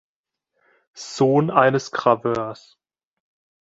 Sohn eines Graveurs.